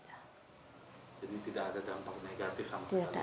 jadi tidak ada dampak negatif sama mereka